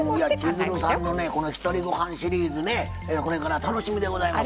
千鶴さんのこの「ひとりごはん」シリーズねこれから楽しみでございます。